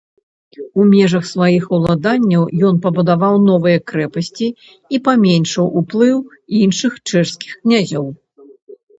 У межаў сваіх уладанняў ён пабудаваў новыя крэпасці і паменшыў уплыў іншых чэшскіх князёў.